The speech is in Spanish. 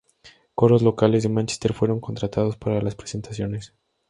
Coros locales de Mánchester fueron contratados para las presentaciones.